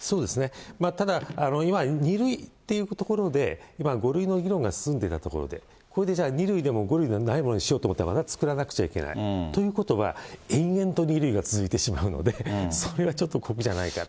ただ、今２類っていうところで、５類の議論が進んでたところで、それでじゃあ２類でも５類でもないものにしようとすると、また作らなくちゃいけない。ということは、延々と２類が続いてしまうので、それはじゃないと。